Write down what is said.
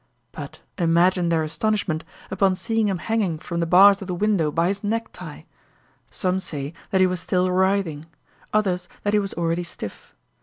But imagine their astonishment upon seeing him hanging from the bars of the window by his necktie! Some said that he was still writhing; others that he was already stiff.